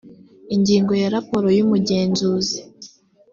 ingingo ya raporo y umugenzuzi